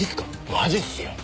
マジっすよ。